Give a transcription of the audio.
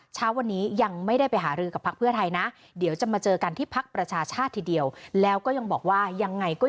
เช้าวันนี้ยังไม่ได้ไปหารือกับพักเพื่อไทยนะเดี๋ยวจะมาเจอกันที่พักประชาชาติทีเดียวแล้วก็ยังบอกว่ายังไงก็